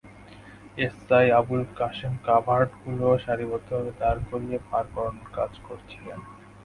SI Abul Kashem কাভার্ডগুলো সারিবদ্ধভাবে দাঁড় করিয়ে পার করানোর কাজ করছিলেন।